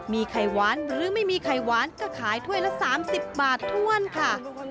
มีไข่หวานหรือไม่มีไข่หวานก็ขายถ้วยละ๓๐บาทถ้วนค่ะ